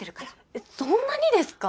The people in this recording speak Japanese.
えっそんなにですか！？